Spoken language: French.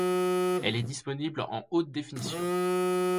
Elle est disponible en haute définition.